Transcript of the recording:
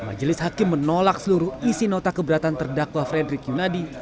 majelis hakim menolak seluruh isi nota keberatan terdakwa frederick yunadi